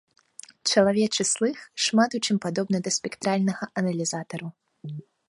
Чалавечы слых шмат у чым падобны да спектральнага аналізатару.